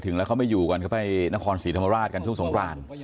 แล้วเขาไม่อยู่กันเขาไปนครศรีธรรมราชกันช่วงสงคราน